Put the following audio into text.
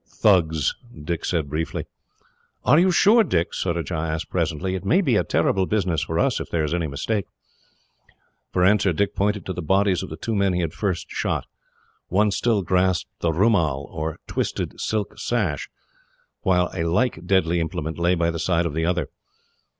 "Thugs," Dick said briefly. "Are you sure, Dick?" Surajah asked presently. "It may be a terrible business for us, if there is any mistake." For answer, Dick pointed to the bodies of the two men he had first shot. One still grasped the roomal, or twisted silk sash, while a like deadly implement lay by the side of the other.